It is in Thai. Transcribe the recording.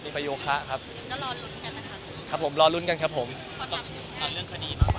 มีประโยคะครับครับผมรอรุ้นกันครับผมขอตอบสิ่งให้เรื่องคดี